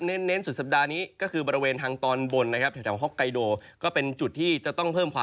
เน็นสุดสัปดาห์นี้ก็คือบรรเวณทางตอนบนและหอมไทยโด่ก็เป็นจุดที่จะไว้กันมากกว่า